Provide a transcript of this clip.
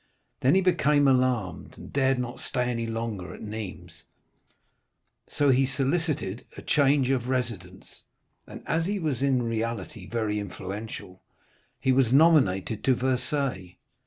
Then he became alarmed, and dared not stay any longer at Nîmes, so he solicited a change of residence, and, as he was in reality very influential, he was nominated to Versailles.